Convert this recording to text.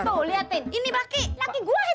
tuh lihat pin ini laki gua itu